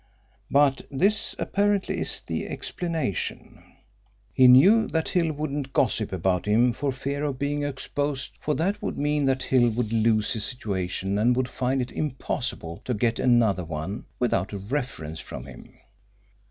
But this, apparently, is the explanation. He knew that Hill wouldn't gossip about him for fear of being exposed, for that would mean that Hill would lose his situation and would find it impossible to get another one without a reference from him.